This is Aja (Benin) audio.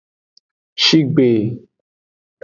Shigbe.